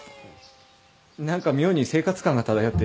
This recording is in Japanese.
何か妙に生活感が漂ってるような。